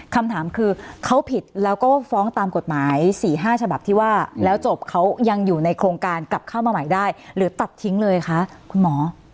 คำถามคือเขาผิดแล้วก็ฟ้องตามกฎหมาย๔๕ฉบับที่ว่าแล้วจบเขายังอยู่ในโครงการกลับเข้ามาใหม่ได้หรือตัดทิ้งเลยคะคุณหมอ